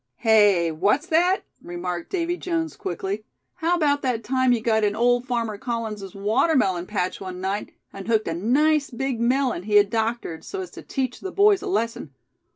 "Hey! what's that?" remarked Davy Jones, quickly. "How about that time you got in old farmer Collins' watermelon patch one night, and hooked a nice big melon he had doctored, so as to teach the boys a lesson.